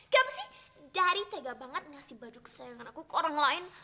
gapasih daddy tega banget ngasih baju kesayangan aku ke orang lain